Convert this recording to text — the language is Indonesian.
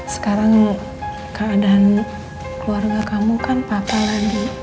sekarang keadaan keluarga kamu kan papa lagi